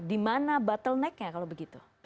di mana bottleneck nya kalau begitu